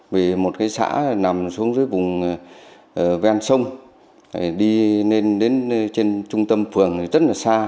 vì một cái xã nằm xuống dưới vùng ven sông đi lên đến trên trung tâm phường rất là xa